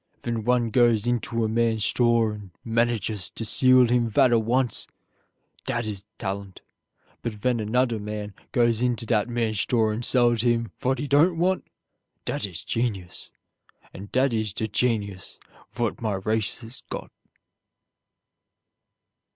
Ven one goes into a man's shtore and manaches to seel him vat he vonts, dat is dalent; but ven annoder man goes into dat man's shtore and sells him vot he don't vont, dat is chenius; and dat is de chenius vot my race has got."